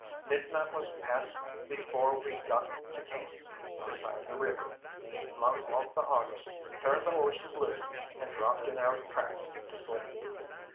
Midnight was past before we got to camp beside the river, flung off the harness, turned the horses loose, and dropped in our tracks to sleep.